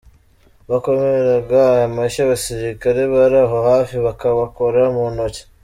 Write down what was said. Bakomeraga amashyi abasirikare bari aho hafi bakabakora mu ntoki.